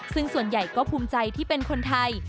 ซึ่งส่วนใหญ่ก็ภูมิใจที่เป็นคนไทย